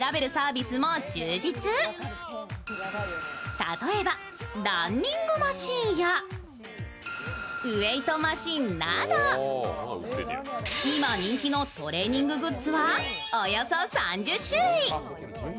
例えばランニングマシーンやウエイトマシーンなど、今人気のトレーニンググッズはおよそ３０種類。